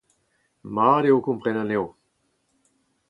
Mat eo kompren anezho.